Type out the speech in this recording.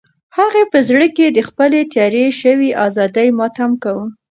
هغې په زړه کې د خپلې تېرې شوې ازادۍ ماتم کاوه.